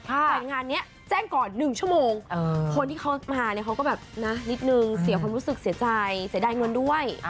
แต่งานนี้แจ้งก่อน๑ชั่วโมงคนที่เขามาเนี่ยเขาก็แบบนะนิดนึงเสียความรู้สึกเสียใจเสียดายเงินด้วย